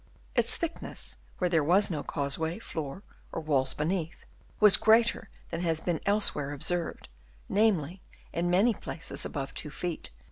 Its thickness, where there was no causeway, floor or walls beneath, was greater than has been elsewhere ob served, namely, in many places above 2 ft.